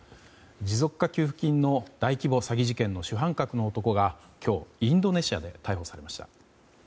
持続化給付金の大規模詐欺事件の主犯格の男が今日、インドネシアで逮捕されました。